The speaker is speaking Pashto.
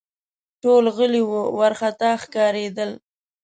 ټول غلي وه ، وارخطا ښکارېدل